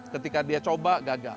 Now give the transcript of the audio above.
ketika dia coba gagal